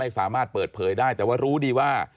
สามารถเปิดเผยได้แต่ว่ารู้ดีว่า